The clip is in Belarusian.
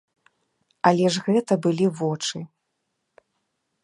Але ж гэта былі вочы!